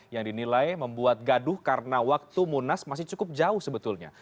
yang dinilai membuat gaduh karena waktu munas masih cukup jauh sebetulnya